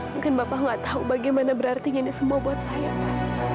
mungkin bapak nggak tahu bagaimana berartinya ini semua buat saya pak